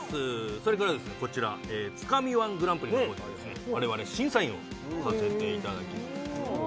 それからこちら「つかみ−１グランプリ」の方では我々審査員をさせていただきます